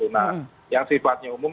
nah yang sifatnya umum